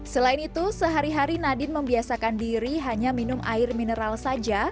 selain itu sehari hari nadine membiasakan diri hanya minum air mineral saja